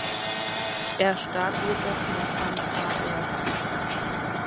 Er starb jedoch noch am Tatort.